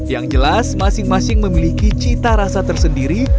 yang jelas masing masing memiliki cita rasa tersendiri